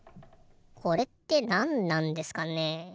これってなんなんですかね？